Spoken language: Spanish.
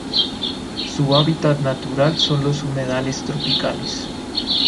Su hábitat natural son los humedales tropicales.